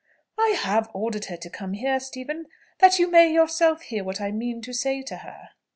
"I have ordered her to come here, Stephen, that you may yourself hear what I mean to say to her."